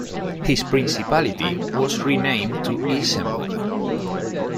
His Principality was renamed to Isenburg.